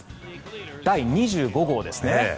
第２５号ですね。